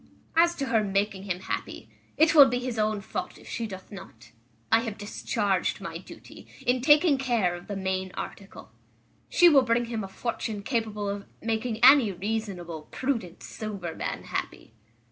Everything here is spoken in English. As to her making him happy, it will be his own fault if she doth not. I have discharged my duty, in taking care of the main article. She will bring him a fortune capable of making any reasonable, prudent, sober man, happy."